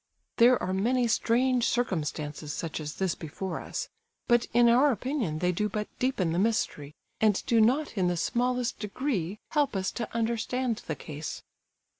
There are many strange circumstances such as this before us; but in our opinion they do but deepen the mystery, and do not in the smallest degree help us to understand the case.